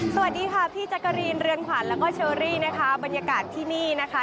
สวัสดีค่ะพี่แจ๊กกะรีนเรือนขวัญแล้วก็เชอรี่นะคะบรรยากาศที่นี่นะคะ